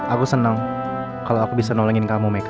aku seneng kalau aku bisa nolongin kamu meka